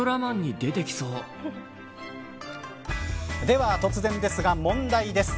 では、突然ですが問題です。